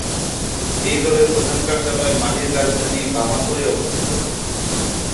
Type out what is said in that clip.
এই দলের প্রধান কার্যালয় মালির রাজধানী বামাকোয় অবস্থিত।